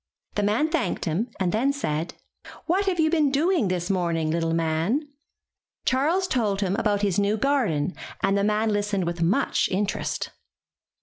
The man thanked him, and then said: *'What have you been doing this morning, little man?*' Charles told him about his new 202 IN THE NURSERY garden, and the man listened with much interest.